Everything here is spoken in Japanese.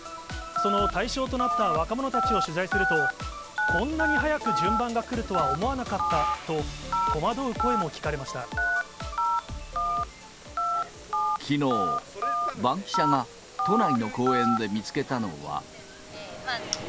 その対象となった若者たちを取材すると、こんなに早く順番が来るとは思わなかったと、きのう、バンキシャが都内の公園で見つけたのは。